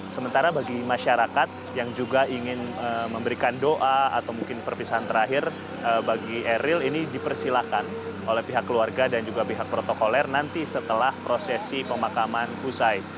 sementara bagi masyarakat yang juga ingin memberikan doa atau mungkin perpisahan terakhir bagi eril ini dipersilahkan oleh pihak keluarga dan juga pihak protokoler nanti setelah prosesi pemakaman usai